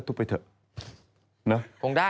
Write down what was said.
คงได้เนี่ย